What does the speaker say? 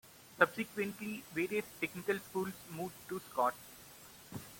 Subsequently, various technical schools moved to Scott.